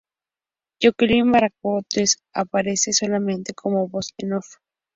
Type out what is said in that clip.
Jacqueline Bracamontes aparece solamente como voz en off.